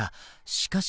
しかし。